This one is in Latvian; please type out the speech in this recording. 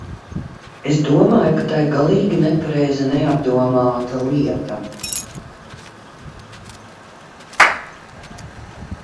Es domāju, ka tā ir galīgi nepareiza, neapdomāta lieta.